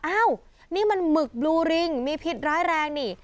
อ้าวนี่มันหมึกบลูริงมีพิษร้ายแรงนี่